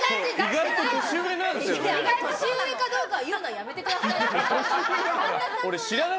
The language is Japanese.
年上かどうか言うのやめてくださいよ。